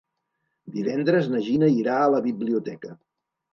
Divendres na Gina irà a la biblioteca.